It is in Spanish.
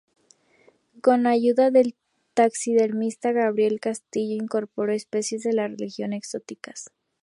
Con ayuda del taxidermista Gabriel Castillo, incorporó especies de la región y exóticas.